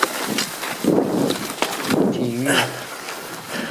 喀山体育场是一座位于俄罗斯喀山的体育场。